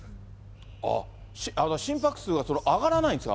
あっ、心拍数が上がらないんですか？